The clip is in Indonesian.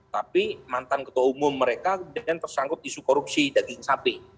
tapi mantan ketua umum mereka kemudian tersangkut isu korupsi daging sapi